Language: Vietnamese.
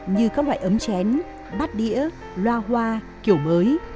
như các loại ấm chén bát đĩa loa hoa kiểu mới